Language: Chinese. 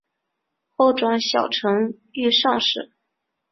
后转小承御上士。